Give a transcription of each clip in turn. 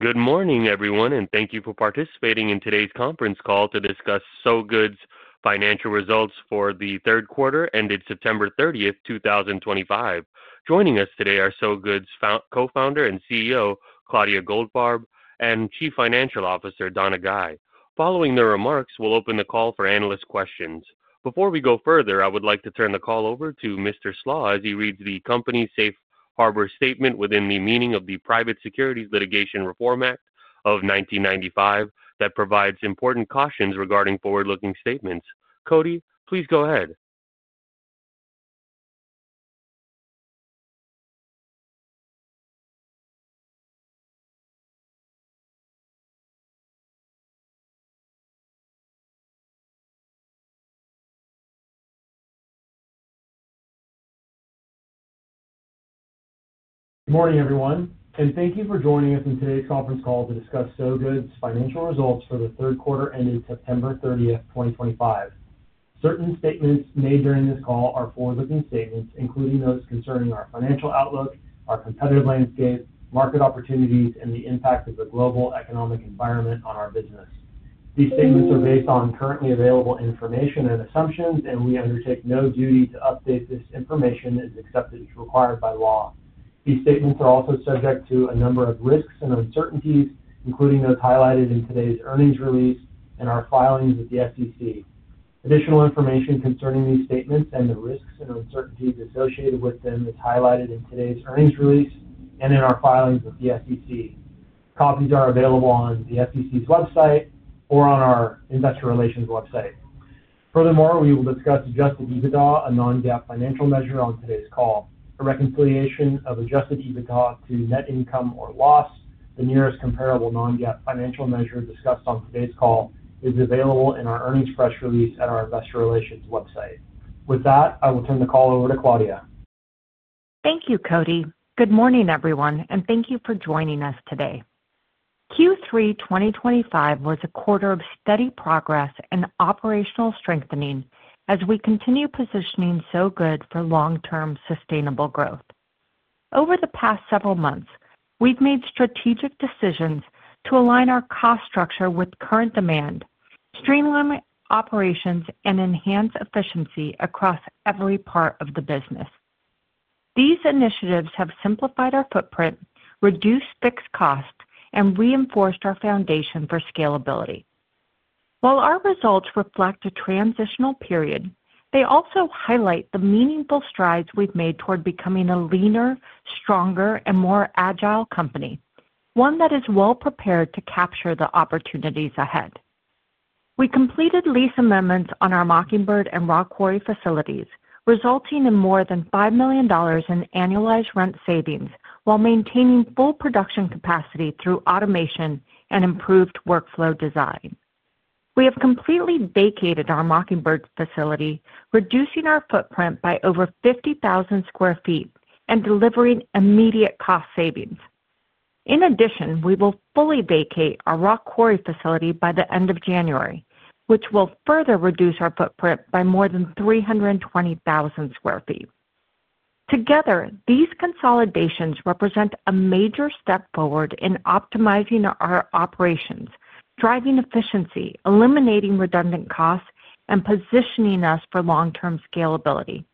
Good morning, everyone, and thank you for participating in today's conference call to discuss Sow Good's financial results for the third quarter ended September 30, 2025. Joining us today are Sow Good's co-founder and CEO, Claudia Goldfarb, and Chief Financial Officer, Donna Guy. Following their remarks, we'll open the call for analyst questions. Before we go further, I would like to turn the call over to Mr. Slach as he reads the company's safe harbor statement within the meaning of the Private Securities Litigation Reform Act of 1995 that provides important cautions regarding forward-looking statements. Cody, please go ahead. Good morning, everyone, and thank you for joining us in today's conference call to discuss Sow Good's financial results for the third quarter ended September 30, 2025. Certain statements made during this call are forward-looking statements, including those concerning our financial outlook, our competitive landscape, market opportunities, and the impact of the global economic environment on our business. These statements are based on currently available information and assumptions, and we undertake no duty to update this information as accepted and required by law. These statements are also subject to a number of risks and uncertainties, including those highlighted in today's earnings release and our filings with the SEC. Additional information concerning these statements and the risks and uncertainties associated with them is highlighted in today's earnings release and in our filings with the SEC. Copies are available on the SEC's website or on our investor relations website. Furthermore, we will discuss adjusted EBITDA, a non-GAAP financial measure, on today's call. A reconciliation of adjusted EBITDA to net income or loss, the nearest comparable non-GAAP financial measure discussed on today's call, is available in our earnings press release at our investor relations website. With that, I will turn the call over to Claudia. Thank you, Cody. Good morning, everyone, and thank you for joining us today. Q3 2025 was a quarter of steady progress and operational strengthening as we continue positioning Sow Good for long-term sustainable growth. Over the past several months, we've made strategic decisions to align our cost structure with current demand, streamline operations, and enhance efficiency across every part of the business. These initiatives have simplified our footprint, reduced fixed costs, and reinforced our foundation for scalability. While our results reflect a transitional period, they also highlight the meaningful strides we've made toward becoming a leaner, stronger, and more agile company, one that is well-prepared to capture the opportunities ahead. We completed lease amendments on our Mockingbird and Rock Quarry facilities, resulting in more than $5 million in annualized rent savings while maintaining full production capacity through automation and improved workflow design. We have completely vacated our Mockingbird facility, reducing our footprint by over 50,000 sq ft and delivering immediate cost savings. In addition, we will fully vacate our Rock Quarry facility by the end of January, which will further reduce our footprint by more than 320,000 sq ft. Together, these consolidations represent a major step forward in optimizing our operations, driving efficiency, eliminating redundant costs, and positioning us for long-term scalability.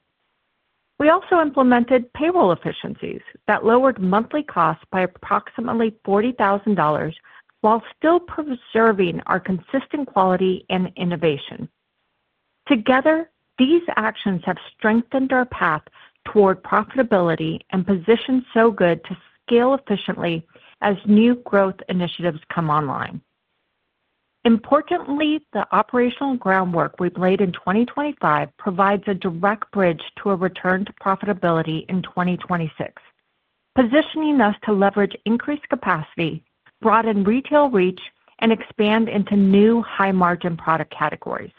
We also implemented payroll efficiencies that lowered monthly costs by approximately $40,000 while still preserving our consistent quality and innovation. Together, these actions have strengthened our path toward profitability and positioned Sow Good to scale efficiently as new growth initiatives come online. Importantly, the operational groundwork we've laid in 2025 provides a direct bridge to a return to profitability in 2026, positioning us to leverage increased capacity, broaden retail reach, and expand into new high-margin product categories.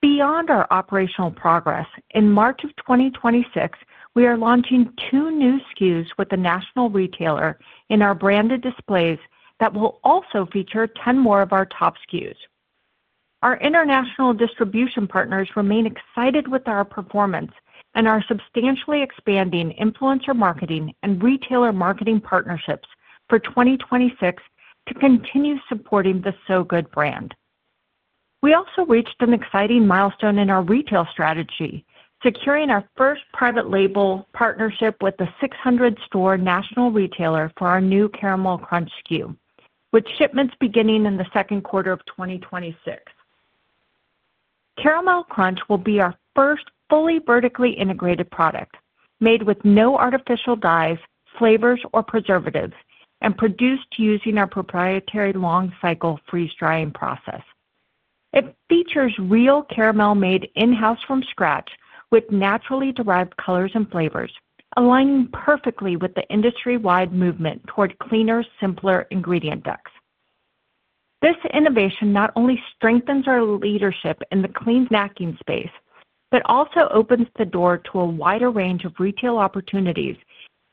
Beyond our operational progress, in March of 2026, we are launching two new SKUs with a national retailer in our branded displays that will also feature 10 more of our top SKUs. Our international distribution partners remain excited with our performance and are substantially expanding influencer marketing and retailer marketing partnerships for 2026 to continue supporting the Sow Good brand. We also reached an exciting milestone in our retail strategy, securing our first private label partnership with the 600-store national retailer for our new Caramel Crunch SKU, with shipments beginning in the second quarter of 2026. Caramel Crunch will be our first fully vertically integrated product made with no artificial dyes, flavors, or preservatives, and produced using our proprietary long-cycle freeze-drying process. It features real caramel made in-house from scratch with naturally derived colors and flavors, aligning perfectly with the industry-wide movement toward cleaner, simpler ingredient decks. This innovation not only strengthens our leadership in the clean packing space but also opens the door to a wider range of retail opportunities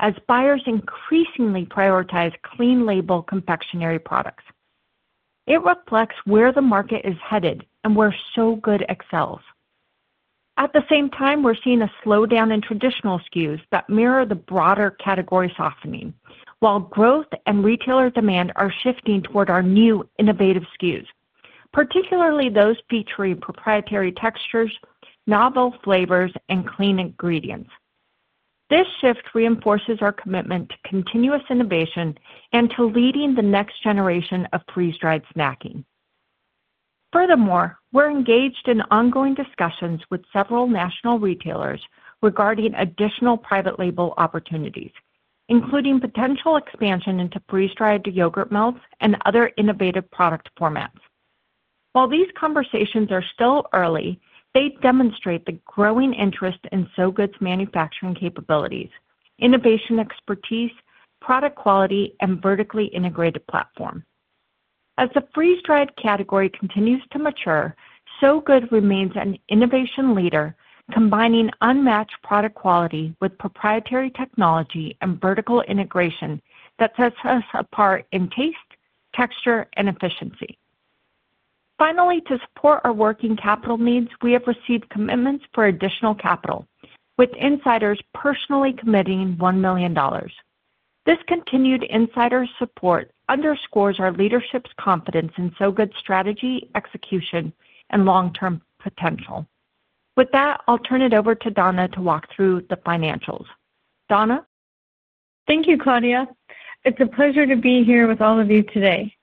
as buyers increasingly prioritize clean label confectionery products. It reflects where the market is headed and where Sow Good excels. At the same time, we're seeing a slowdown in traditional SKUs that mirror the broader category softening, while growth and retailer demand are shifting toward our new innovative SKUs, particularly those featuring proprietary textures, novel flavors, and clean ingredients. This shift reinforces our commitment to continuous innovation and to leading the next generation of freeze-dried snacking. Furthermore, we're engaged in ongoing discussions with several national retailers regarding additional private label opportunities, including potential expansion into freeze-dried yogurt melts and other innovative product formats. While these conversations are still early, they demonstrate the growing interest in Sow Good's manufacturing capabilities, innovation expertise, product quality, and vertically integrated platform. As the freeze-dried category continues to mature, Sow Good remains an innovation leader, combining unmatched product quality with proprietary technology and vertical integration that sets us apart in taste, texture, and efficiency. Finally, to support our working capital needs, we have received commitments for additional capital, with insiders personally committing $1 million. This continued insider support underscores our leadership's confidence in Sow Good's strategy, execution, and long-term potential. With that, I'll turn it over to Donna to walk through the financials. Donna. Thank you, Claudia. It's a pleasure to be here with all of you today,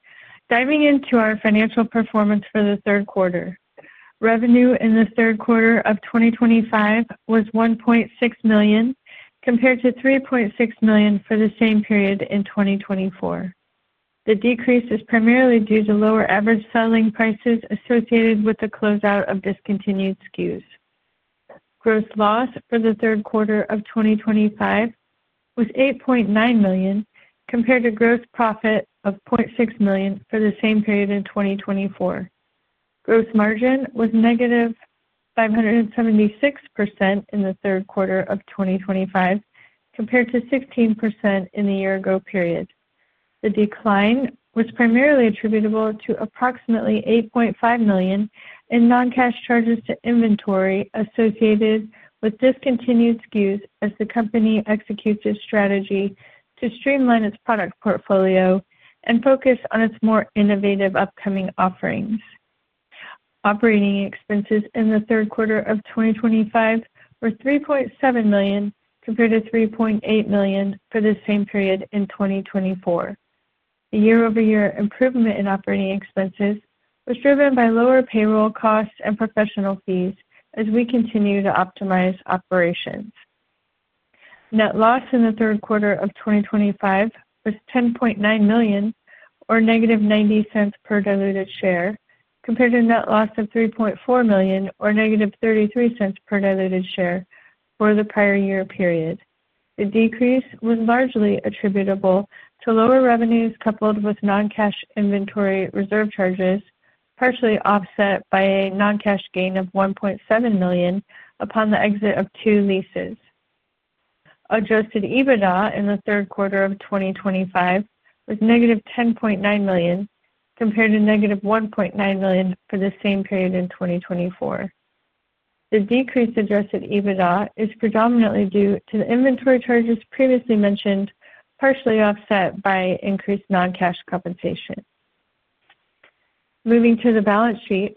diving into our financial performance for the third quarter. Revenue in the third quarter of 2025 was $1.6 million compared to $3.6 million for the same period in 2024. The decrease is primarily due to lower average selling prices associated with the closeout of discontinued SKUs. Gross loss for the third quarter of 2025 was $8.9 million compared to gross profit of $0.6 million for the same period in 2024. Gross margin was -576% in the third quarter of 2025 compared to 16% in the year-ago period. The decline was primarily attributable to approximately $8.5 million in non-cash charges to inventory associated with discontinued SKUs as the company executes its strategy to streamline its product portfolio and focus on its more innovative upcoming offerings. Operating expenses in the third quarter of 2025 were $3.7 million compared to $3.8 million for the same period in 2024. The year-over-year improvement in operating expenses was driven by lower payroll costs and professional fees as we continue to optimize operations. Net loss in the third quarter of 2025 was $10.9 million, or -$0.90 per diluted share, compared to net loss of $3.4 million, or -$0.33 per diluted share for the prior year period. The decrease was largely attributable to lower revenues coupled with non-cash inventory reserve charges, partially offset by a non-cash gain of $1.7 million upon the exit of two leases. Adjusted EBITDA in the third quarter of 2025 was -$10.9 million compared to -$1.9 million for the same period in 2024. The decreased adjusted EBITDA is predominantly due to the inventory charges previously mentioned, partially offset by increased non-cash compensation. Moving to the balance sheet,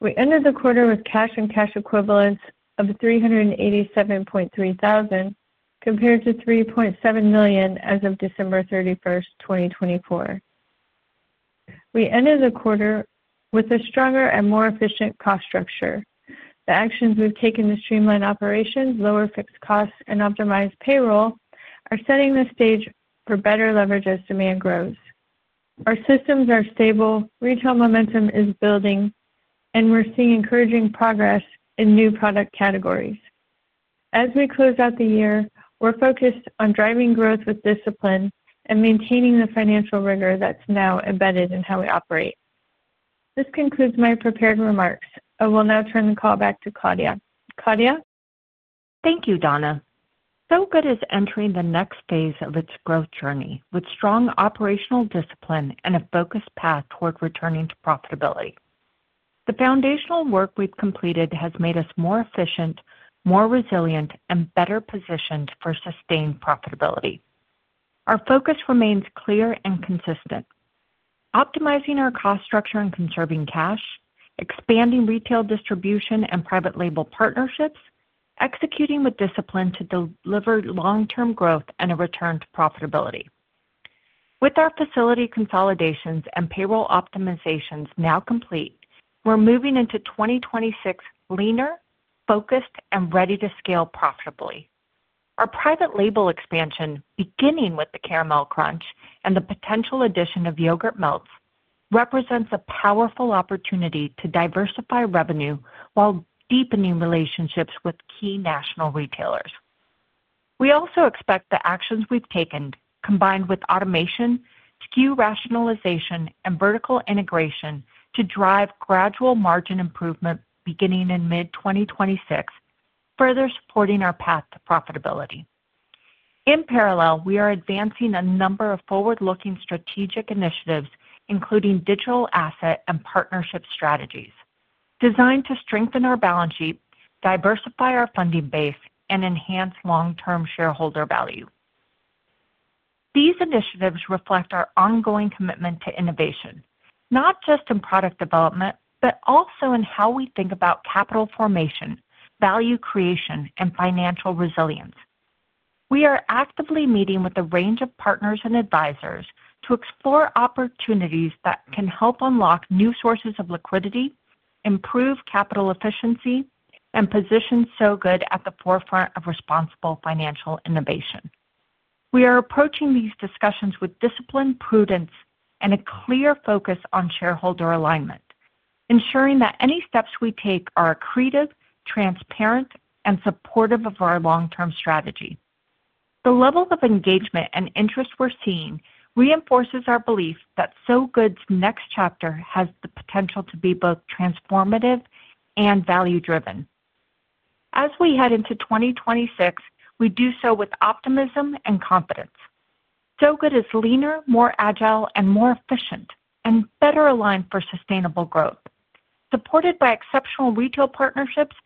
we ended the quarter with cash and cash equivalents of $387.3 million compared to $3.7 million as of December 31, 2024. We ended the quarter with a stronger and more efficient cost structure. The actions we've taken to streamline operations, lower fixed costs, and optimize payroll are setting the stage for better leverage as demand grows. Our systems are stable, retail momentum is building, and we're seeing encouraging progress in new product categories. As we close out the year, we're focused on driving growth with discipline and maintaining the financial rigor that's now embedded in how we operate. This concludes my prepared remarks. I will now turn the call back to Claudia. Claudia? Thank you, Donna. Sow Good is entering the next phase of its growth journey with strong operational discipline and a focused path toward returning to profitability. The foundational work we've completed has made us more efficient, more resilient, and better positioned for sustained profitability. Our focus remains clear and consistent: optimizing our cost structure and conserving cash, expanding retail distribution and private label partnerships, executing with discipline to deliver long-term growth and a return to profitability. With our facility consolidations and payroll optimizations now complete, we're moving into 2026 leaner, focused, and ready to scale profitably. Our private label expansion, beginning with the Caramel Crunch and the potential addition of yogurt melts, represents a powerful opportunity to diversify revenue while deepening relationships with key national retailers. We also expect the actions we've taken, combined with automation, SKU rationalization, and vertical integration, to drive gradual margin improvement beginning in mid-2026, further supporting our path to profitability. In parallel, we are advancing a number of forward-looking strategic initiatives, including digital asset and partnership strategies, designed to strengthen our balance sheet, diversify our funding base, and enhance long-term shareholder value. These initiatives reflect our ongoing commitment to innovation, not just in product development, but also in how we think about capital formation, value creation, and financial resilience. We are actively meeting with a range of partners and advisors to explore opportunities that can help unlock new sources of liquidity, improve capital efficiency, and position Sow Good at the forefront of responsible financial innovation. We are approaching these discussions with discipline, prudence, and a clear focus on shareholder alignment, ensuring that any steps we take are accretive, transparent, and supportive of our long-term strategy. The level of engagement and interest we are seeing reinforces our belief that Sow Good's next chapter has the potential to be both transformative and value-driven. As we head into 2026, we do so with optimism and confidence. Sow Good is leaner, more agile, and more efficient, and better aligned for sustainable growth, supported by exceptional retail partnerships,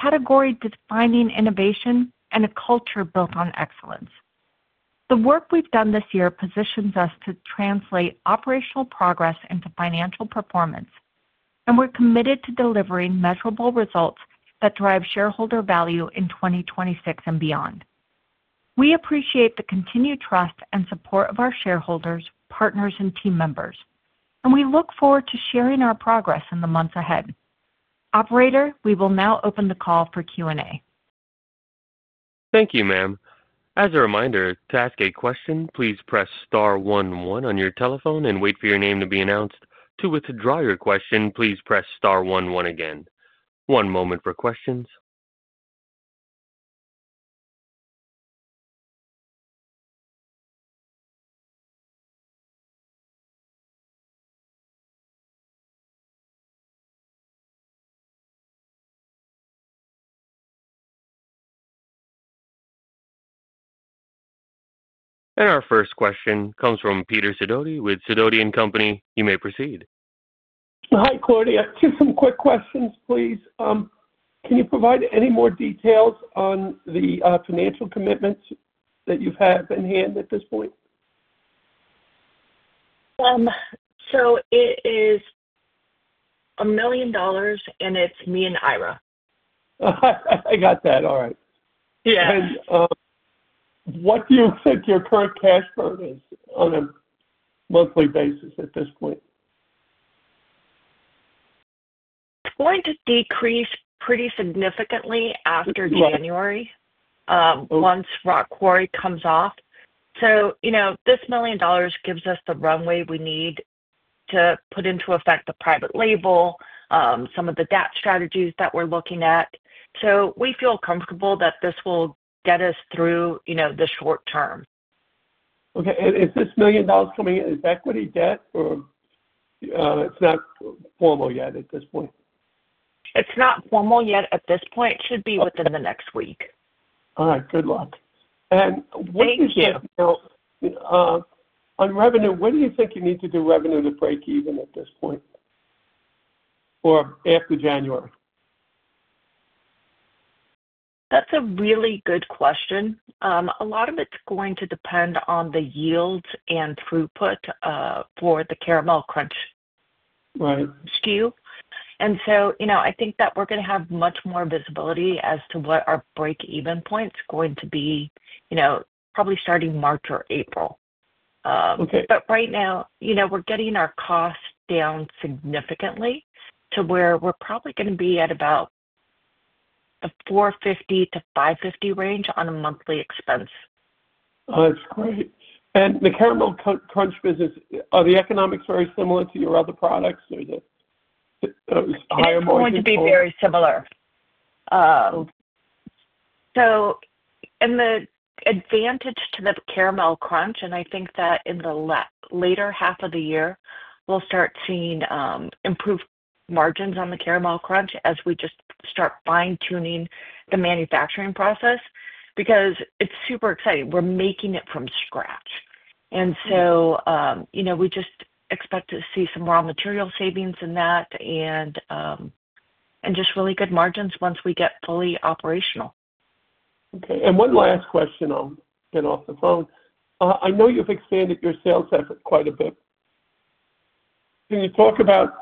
category-defining innovation, and a culture built on excellence. The work we have done this year positions us to translate operational progress into financial performance, and we are committed to delivering measurable results that drive shareholder value in 2026 and beyond. We appreciate the continued trust and support of our shareholders, partners, and team members, and we look forward to sharing our progress in the months ahead. Operator, we will now open the call for Q&A. Thank you, ma'am. As a reminder, to ask a question, please press star 11 on your telephone and wait for your name to be announced. To withdraw your question, please press star 11 again. One moment for questions. Our first question comes from Peter Sidoti with Sidoti & Company. You may proceed. Hi, Claudia. Just some quick questions, please. Can you provide any more details on the financial commitments that you have in hand at this point? It is $1 million, and it's me and Ira. I got that. All right. Yeah. What do you think your current cash burn is on a monthly basis at this point? It's going to decrease pretty significantly after January, once Rock Quarry comes off. This $1 million gives us the runway we need to put into effect the private label, some of the debt strategies that we're looking at. We feel comfortable that this will get us through the short term. Okay. Is this million dollars coming in, is it equity, debt, or it's not formal yet at this point? It's not formal yet at this point. It should be within the next week. All right. Good luck. What do you think? Thank you. Now, on revenue, when do you think you need to do revenue to break even at this point or after January? That's a really good question. A lot of it's going to depend on the yields and throughput for the Caramel Crunch SKU. I think that we're going to have much more visibility as to what our break-even point's going to be, probably starting March or April. Right now, we're getting our costs down significantly to where we're probably going to be at about a 450-550 range on a monthly expense. Oh, that's great. The Caramel Crunch business, are the economics very similar to your other products? Or is it higher margin? It's going to be very similar. An advantage to the Caramel Crunch, and I think that in the later half of the year, we'll start seeing improved margins on the Caramel Crunch as we just start fine-tuning the manufacturing process because it's super exciting. We're making it from scratch. We just expect to see some raw material savings in that and just really good margins once we get fully operational. Okay. And one last question, I'll get off the phone. I know you've expanded your sales effort quite a bit. Can you talk about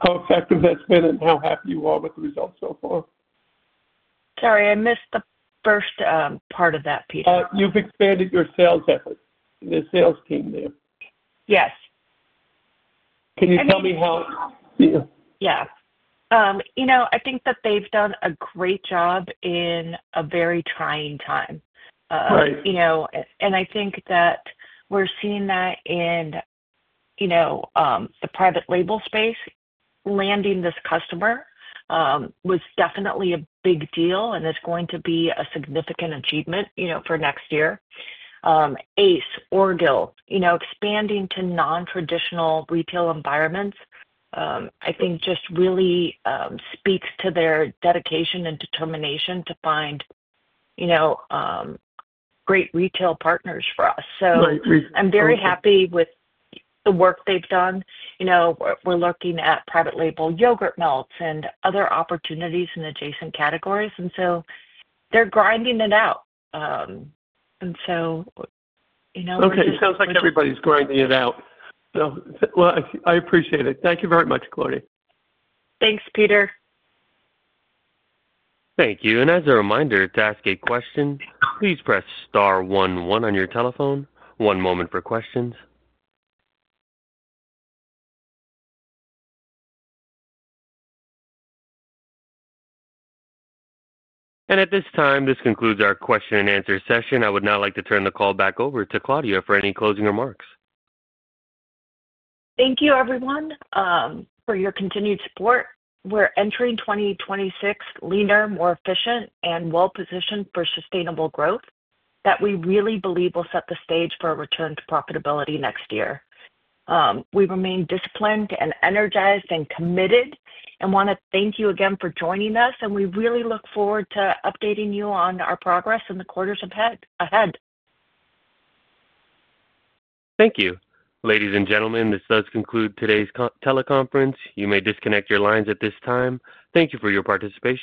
how effective that's been and how happy you are with the results so far? Sorry, I missed the first part of that piece. You've expanded your sales effort, the sales team there. Yes. Can you tell me how? Yeah. Yeah. I think that they've done a great job in a very trying time. I think that we're seeing that in the private label space. Landing this customer was definitely a big deal, and it's going to be a significant achievement for next year. Ace, Oregil, expanding to non-traditional retail environments, I think, just really speaks to their dedication and determination to find great retail partners for us. I am very happy with the work they've done. We're looking at private label yogurt melts and other opportunities in adjacent categories. They're grinding it out. Okay. It sounds like everybody's grinding it out. I appreciate it. Thank you very much, Claudia. Thanks, Peter. Thank you. As a reminder, to ask a question, please press star on your telephone. One moment for questions. At this time, this concludes our question-and-answer session. I would now like to turn the call back over to Claudia for any closing remarks. Thank you, everyone, for your continued support. We're entering 2026 leaner, more efficient, and well-positioned for sustainable growth that we really believe will set the stage for return to profitability next year. We remain disciplined and energized and committed and want to thank you again for joining us. We really look forward to updating you on our progress in the quarters ahead. Thank you. Ladies and gentlemen, this does conclude today's teleconference. You may disconnect your lines at this time. Thank you for your participation.